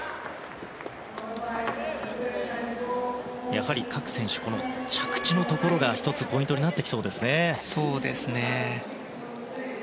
やはり各選手、着地のところが１つ、ポイントになってきそうです。